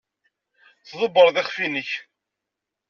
Tḍebbreḍ iɣef-nnek.